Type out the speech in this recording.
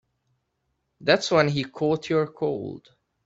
That's when he caught your cold.